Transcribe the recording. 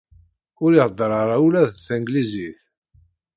Ur ihedder ara ula d taneglizit.